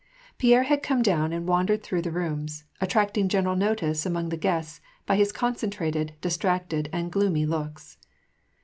Pierre had come down and wan dered through the rooms, attracting general notice among the guests, by his concentrated, distracted, and gloomy looks.